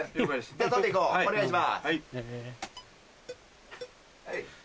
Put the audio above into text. では録っていこうお願いします。